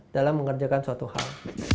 dalam mengerjakan suatu hal